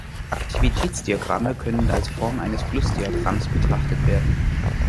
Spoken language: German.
Aktivitätsdiagramme können als Form eines Flussdiagramms betrachtet werden.